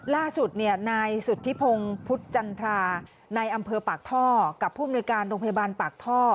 ล่าสุดนายสุธิพงศ์พุทธจันทราในอำเภอปากท่อกับผู้มนุยการโรงพยาบาลปากท่อ